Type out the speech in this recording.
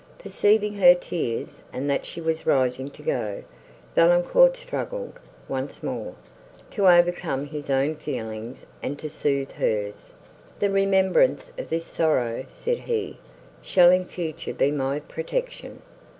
Perceiving her tears and that she was rising to go, Valancourt struggled, once more, to overcome his own feelings and to sooth hers. "The remembrance of this sorrow," said he, "shall in future be my protection.